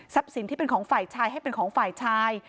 สินที่เป็นของฝ่ายชายให้เป็นของฝ่ายชาย